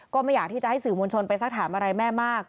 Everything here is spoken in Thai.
ก็ไม่อยากที่จะให้สื่อมวลชนไปสักถามอะไรแม่มาก